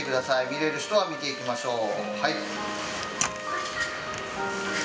見れる人は見ていきましょう。